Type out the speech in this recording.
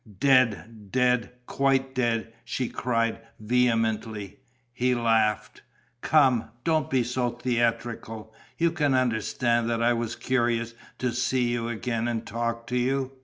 "Dead, dead, quite dead!" she cried, vehemently. He laughed: "Come, don't be so theatrical. You can understand that I was curious to see you again and talk to you.